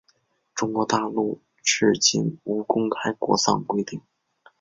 中国大陆至今无公开国葬规定。